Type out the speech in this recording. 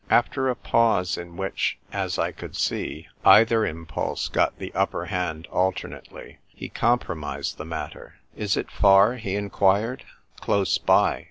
After a pause in which, as I could see, either impulse got the upper hand alternately, he compromised the matter. " Is it far ?" he enquired. "Close by.